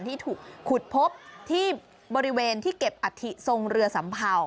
ที่ถูกขุดพบที่บริเวณที่เก็บอัฐิทรงเรือสัมเภา